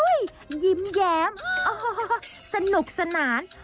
อุ๊ยยิ้มแย้มสนุกสนาน